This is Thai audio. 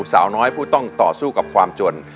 สาวน้อยผู้ต้องต่อสู้กับความจน